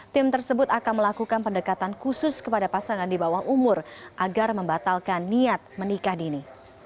tim tersebut akan melakukan pendekatan khusus kepada pasangan di bawah umur agar membatalkan niat menikah dini